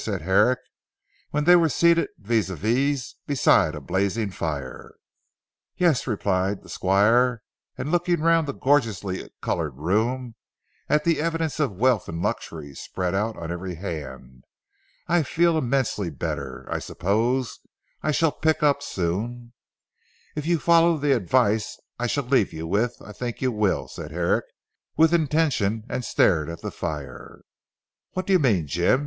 said Herrick when they were seated vis à vis beside a blazing fire. "Yes," replied the Squire and looking round the gorgeously coloured room, at the evidence of wealth and luxury spread out on every hand. "I feel immensely better. I suppose I shall pick up soon." "If you follow the advice I shall leave with you, I think you will," said Herrick with intention and stared at the fire. "What do you mean Jim?